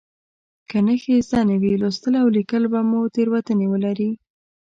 که نښې زده نه وي لوستل او لیکل به مو تېروتنې ولري.